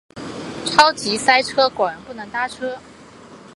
超级塞车，果然不能搭车